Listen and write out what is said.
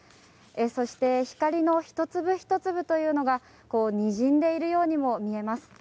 そして、光のひと粒ひと粒がにじんでいるようにも見えます。